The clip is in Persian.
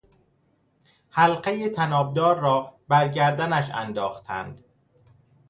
حلقهی طنابدار را بر گردنش انداختند.